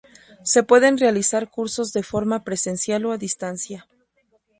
Se pueden realizar cursos de forma presencial o a distancia.